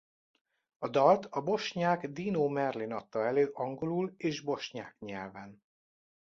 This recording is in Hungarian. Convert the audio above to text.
A dalt a bosnyák Dino Merlin adta elő angolul és bosnyák nyelven.